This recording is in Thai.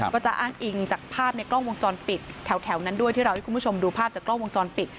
ก็จะอ้างอิงจากภาพในกล้องวงจรปิดแถวนั้นด้วยที่เราให้คุณผู้ชมดูภาพจากกล้องวงจรปิด